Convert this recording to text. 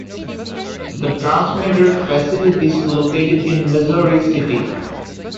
The transmitter facilities located in Missouri City.